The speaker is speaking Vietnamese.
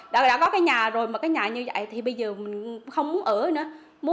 đã có cái nhà rồi mà cái nhà như vậy thì bây giờ mình không muốn ở nữa